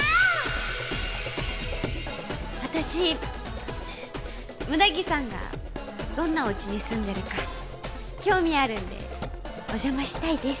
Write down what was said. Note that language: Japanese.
私六田木さんがどんなおうちに住んでるか興味あるんでおじゃましたいです。